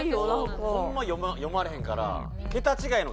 ホンマ読まれへんから。